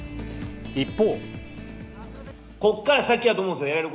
一方。